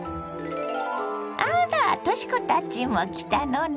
あらとし子たちも来たのね。